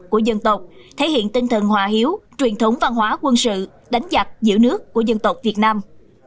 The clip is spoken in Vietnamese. của dân tộc thể hiện tinh thần hòa hiếu truyền thống văn hóa quân sự đánh giặc giữ nước của dân tộc việt nam